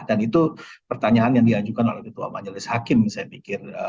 dan itu pertanyaan yang diajukan oleh ketua majulis hakim saya pikir